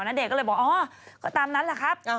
ณเดชนก็เลยบอกอ๋อก็ตามนั้นแหละครับ